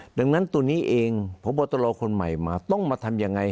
ดังนั้นตัวนี้เองพบตรคนใหม่มาต้องมาทำยังไง